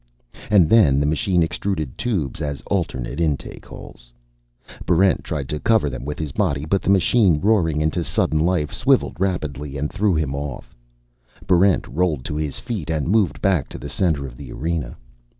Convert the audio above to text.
And then the machine extruded tubes as alternative intake holes. Barrent tried to cover them with his body. But the machine, roaring into sudden life, swiveled rapidly and threw him off. Barrent rolled to his feet and moved back to the center of the arena.